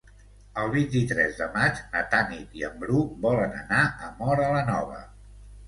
El vint-i-tres de maig na Tanit i en Bru volen anar a Móra la Nova.